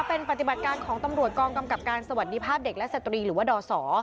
เป็นปฏิบัติการของตำรวจกองกำกับการสวัสดีภาพเด็กและสตรีหรือว่าดศ